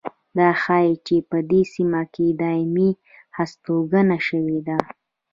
دا ښيي چې په دې سیمه کې دایمي هستوګنه شوې ده